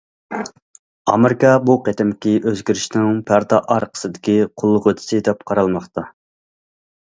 ئامېرىكا بۇ قېتىمقى ئۆزگىرىشنىڭ پەردە ئارقىسىدىكى قوللىغۇچىسى دەپ قارالماقتا.